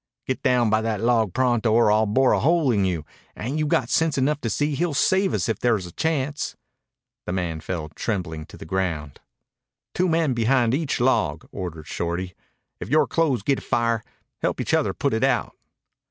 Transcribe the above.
"Git down by that log pronto or I'll bore a hole in you. Ain't you got sense enough to see he'll save us if there's a chance?" The man fell trembling to the ground. "Two men behind each log," ordered Shorty. "If yore clothes git afire, help each other put it out."